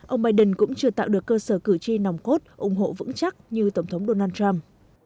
ông biden cũng chưa tạo được cơ sở cử tri nòng cốt ủng hộ vững chắc như tổng thống donald trump